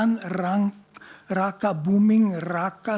pendaftaran gibran akan menjadi pilihan raka booming raka